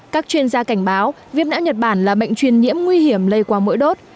các chuyên gia cảnh báo viêm não nhật bản là bệnh truyền nhiễm nguy hiểm lây qua mũi đốt